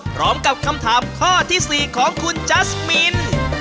พร้อมกับคำถามข้อที่๔ของคุณจัสมิน